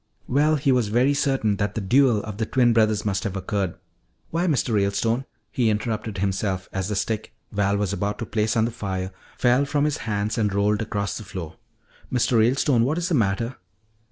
"Well, he was very certain that the duel of the twin brothers must have occurred Why, Mr. Ralestone," he interrupted himself as the stick Val was about to place on the fire fell from his hands and rolled across the floor. "Mr. Ralestone, what is the matter?"